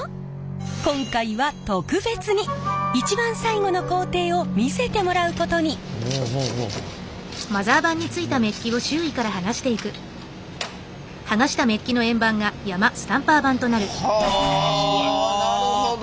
今回は特別に一番最後の工程を見せてもらうことに。はなるほど！